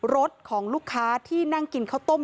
รถของลูกค้าที่นั่งกินข้าวต้ม